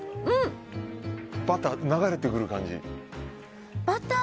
バター、流れてくる感じ？